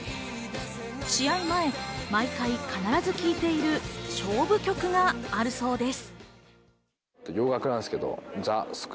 試合前、毎回必ず聴いている勝負曲があるそうです。